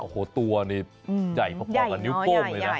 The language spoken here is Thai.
โอ้โหตัวนี่ใหญ่พอกับนิ้วโป้งเลยนะ